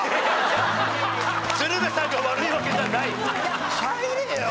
鶴瓶さんが悪いわけじゃないよ。